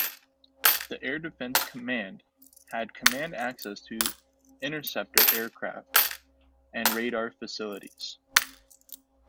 The Air Defence Command had command access to interceptor aircraft and radar facilities.